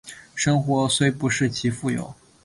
生活虽不是极富有